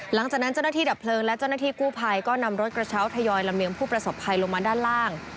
หลังจากนั้นเจ้าหน้าที่ดับเพลิงและเจ้าหน้าที่กู้ภัยก็นำรถกระเช้าทยอยลำเลียงผู้ประสบภัยลงมาด้านล่าง